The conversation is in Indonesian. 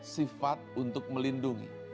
sifat untuk melindungi